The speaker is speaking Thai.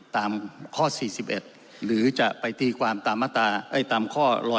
ตามข้อ๔๑หรือจะไปทีความตามอาตาเอ้ยตามข้อ๑๕๑